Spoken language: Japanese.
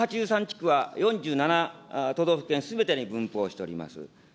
２８３地区は４７都道府県すべてに分布をしております。